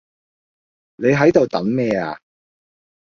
你喺度等咩呀